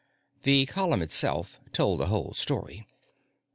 The column itself told the whole story.